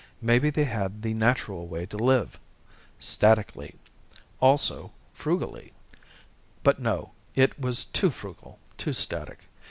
Maybe they had the natural way to live. Statically. Also, frugally. But no. It was too frugal, too static.